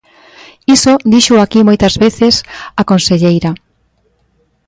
Iso díxoo aquí moitas veces a conselleira.